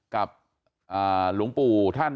กับหลวงปู่ท่าน